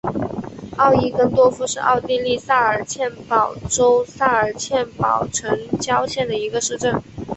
奥伊根多夫是奥地利萨尔茨堡州萨尔茨堡城郊县的一个市镇。